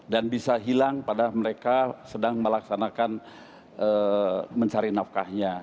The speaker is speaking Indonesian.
dan bisa hilang pada mereka sedang melaksanakan mencari nafkahnya